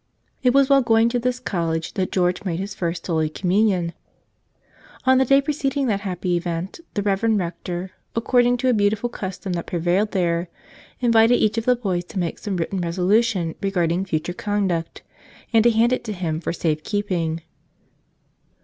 It was while going to this college that George made his First Holy Communion. On the day preced¬ ing that happy event the Reverend Rector, accord¬ ing to a beautiful custom that prevailed there, invited each of the boys to make some written resolution re¬ garding future conduct and to hand it to him for safe¬ keeping.